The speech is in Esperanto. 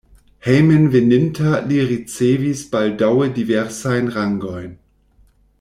Hejmenveninta li ricevis baldaŭe diversajn rangojn.